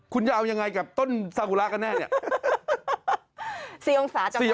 คุณจะเอายังไงกับต้นซากุระกันแน่เนี่ย